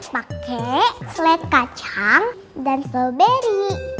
pake seled kacang dan strawberry